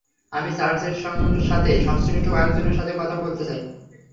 আমি চার্চের সাথে সংশ্লিষ্ট কয়েকজনের সাথে কথা বলতে চাই।